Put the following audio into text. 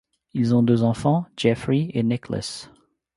Ils ont deux enfants, Geoffrey et Nicholas.